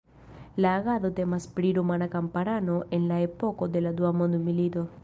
La agado temas pri rumana kamparano en la epoko de la Dua Mondmilito.